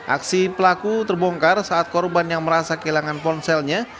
aksi pelaku terbongkar saat korban yang merasa kehilangan ponselnya